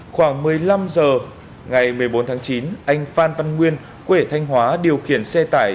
khoảng một mươi năm h ngày một mươi bốn tháng chín anh phan văn nguyên quể thanh hóa điều khiển xe tải